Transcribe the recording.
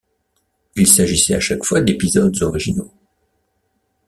Il s’agissait à chaque fois d’épisodes originaux.